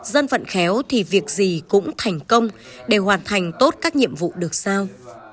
dân vận khéo thì việc gì cũng thành công để hoàn thành tốt các nhiệm vụ được sao